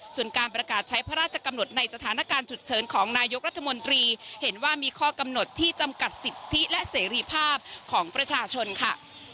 ส่วนการประกาศใช้พระราชกำหนดในสถานการณ์ฉุกเฉินของนายกรัฐมนตรีเห็นว่ามีข้อกำหนดที่จำกัดสิทธิและเสรีภาพของประชาชนค่ะ